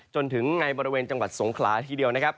จนถึงในบริเวณจังหวัดสงขลาทีเดียวนะครับ